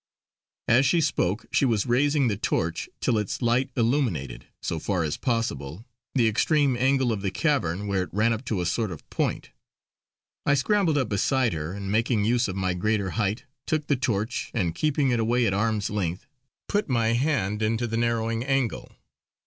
As she spoke she was raising the torch till its light illuminated, so far as was possible, the extreme angle of the cavern where it ran up to a sort of point. I scrambled up beside her, and making use of my greater height, took the torch and keeping it away at arm's length put my hand into the narrowing angle.